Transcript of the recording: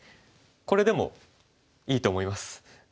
これでもいいと思います。